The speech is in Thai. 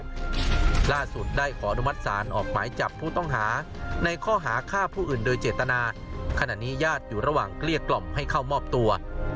ล่าสุดได้ขออนุมัติศาลออกหมายจับผู้ต้องหาในข้อหาฆ่าผู้อื่นโดยเจตนาขณะนี้ญาติอยู่ระหว่างเกลี้ยกล่อมให้เข้ามอบตัว